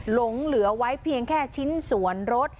หลงเหลือไว้เพียงแค่ชิ้นส่วนรถ